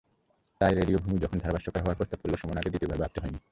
তাই রেডিও ভূমি যখন ধারাভাষ্যকার হওয়ার প্রস্তাব করল, সুমনাকে দ্বিতীয়বার ভাবতে হয়নি।